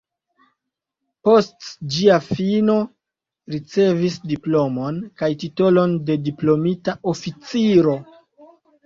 Post ĝia fino ricevis diplomon kaj titolon de diplomita oficiro.